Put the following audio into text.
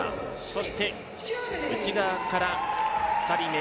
そして、内側から２人目